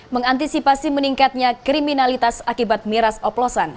mengantisipasi meningkatnya kriminalitas akibat miras oplosan